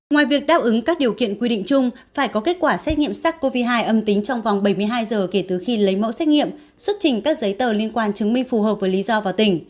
ngoài việc đáp ứng các điều kiện quy định chung phải có kết quả xét nghiệm sars cov hai âm tính trong vòng bảy mươi hai giờ kể từ khi lấy mẫu xét nghiệm xuất trình các giấy tờ liên quan chứng minh phù hợp với lý do vào tỉnh